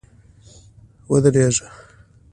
ودرېږه !